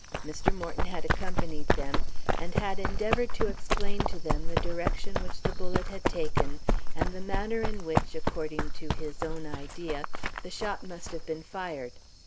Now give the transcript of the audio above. Mr. Morton had accompanied them, and had endeavored to explain to them the direction which the bullet had taken, and the manner in which, according to his own idea, the shot must have been fired.